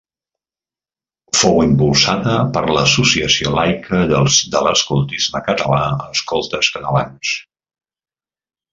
Fou impulsada per l'associació laica de l'Escoltisme Català, Escoltes Catalans.